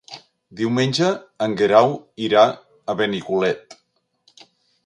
Diumenge en Guerau irà a Benicolet.